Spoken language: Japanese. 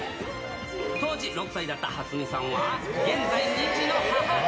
当時６歳だったはつみさんは、現在、２児の母。